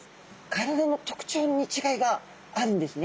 体の特徴に違いがあるんですね。